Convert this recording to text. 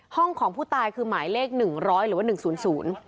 ของผู้ตายคือหมายเลขหนึ่งร้อยหรือว่าหนึ่งศูนย์ศูนย์